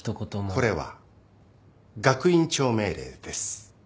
これは学院長命令です。